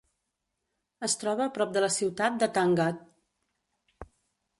Es troba prop de la ciutat de Thangadh.